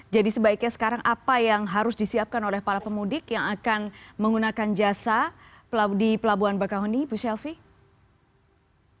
jadi sebaiknya sekarang apa yang harus disiapkan oleh para pemudik yang akan menggunakan jasa di pelabuhan bakau ini ibu shelfie